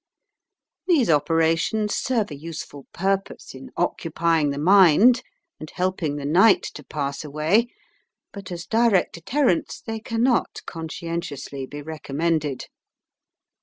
These operations serve a useful purpose in occupying the mind and helping the night to pass away. But as direct deterrents they cannot conscientiously be recommended.